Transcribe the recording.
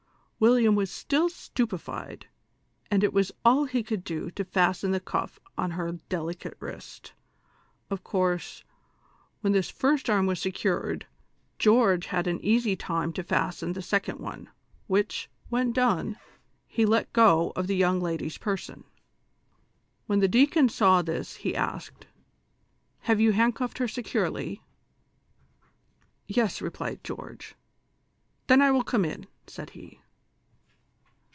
William was still stu pefied, and it was all he could do to fasten the cuff on her delicate wrist ; of course, when this first arm was secured, George had an easy time to fasten the second one, which, when done, he let go of the young lady's person. When the deacon saw this he asked :" Have you handcuffed her securely ?"" Yes," replied George. " Then I will come in," said he.